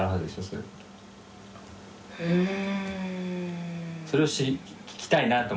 うん。